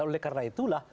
oleh karena itulah